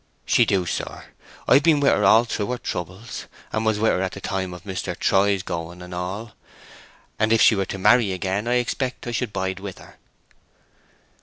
"She do, sir. I've been with her all through her troubles, and was with her at the time of Mr. Troy's going and all. And if she were to marry again I expect I should bide with her."